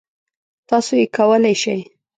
تاسو یې کولای شی.